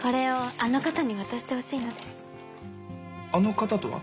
あの方とは？